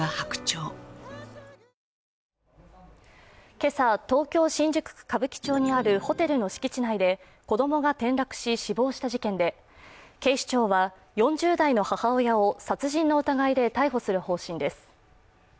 今朝、東京・新宿区歌舞伎町にあるホテルの敷地内で子供が転落し、死亡した事件で警視庁は４０代の母親を殺人の疑いで逮捕する方針です。